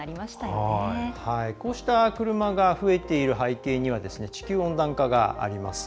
こうした車が増えている背景には地球温暖化があります。